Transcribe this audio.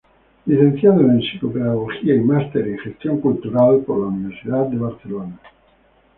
Licenciado en psicopedagogía y máster en gestión cultural por la Universidad de Barcelona.